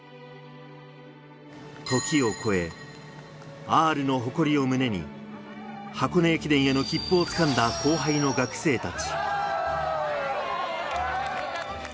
時を超え、Ｒの誇りを胸に箱根駅伝への切符を掴んだ後輩の学生たち。